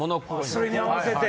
それに合わせて！